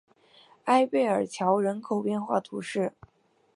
埃贝尔桥人口变化图示